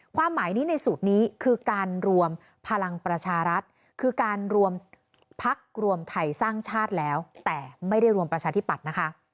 ความหมายนี้ในสูตรนี้คือการรวมพลังประชารัฐคือการรวมพักรวมไทยสร้างชาติแล้วแต่ไม่ได้รวมประชาธิปัตย์นะคะ